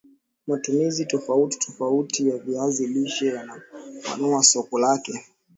Matumizi tofauti tofauti ya viazi lishe yanapanua soko lake